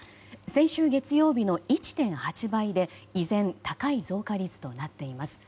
先週月曜日の１．８倍で依然、高い増加率となっています。